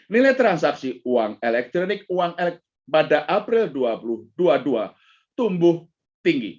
nilai transaksi uang elektronik uang elektronik pada april dua ribu dua puluh dua tumbuh tinggi